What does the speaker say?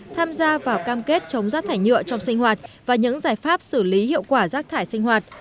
tham gia vào cam kết chống rác thải nhựa trong sinh hoạt và những giải pháp xử lý hiệu quả rác thải sinh hoạt